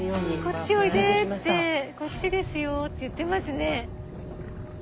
こっちおいでってこっちですよって言ってますね。